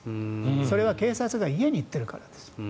それは警察が家に行ってるからです。